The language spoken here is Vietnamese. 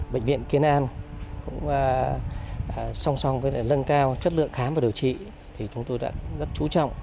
bệnh viện kiến an cũng song song với lân cao chất lượng khám và điều trị thì chúng tôi đã rất chú trọng